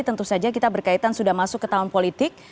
tentu saja kita berkaitan sudah masuk ke tahun politik